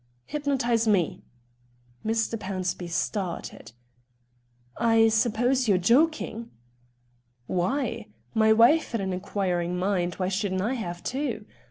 "Hypnotise me." Mr. Pownceby started. "I suppose you're joking?" "Why? My wife had an inquiring mind, why shouldn't I have too?